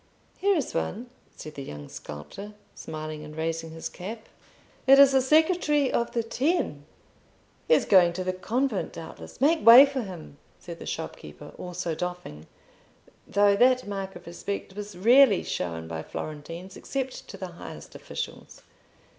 "Here is one," said the young sculptor, smiling and raising his cap. "It is the secretary of the Ten: he is going to the convent, doubtless; make way for him," said the shopkeeper, also doffing, though that mark of respect was rarely shown by Florentines except to the highest officials.